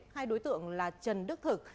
hai đối tượng là trần đức thực